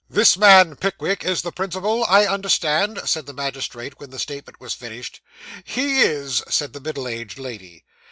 'This man, Pickwick, is the principal, I understand?' said the magistrate, when the statement was finished. 'He is,' said the middle aged lady.